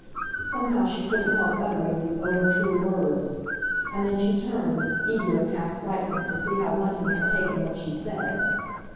Somehow she couldn't help uttering these over true words. And then she turned, eager and half frightened, to see how Bunting had taken what she said.